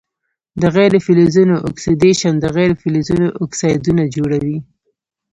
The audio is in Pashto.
د غیر فلزونو اکسیدیشن د غیر فلزونو اکسایدونه جوړوي.